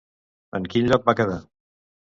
En quin lloc va quedar?